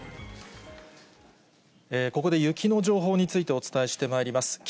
ここで雪の情報についてお伝えしてまいります。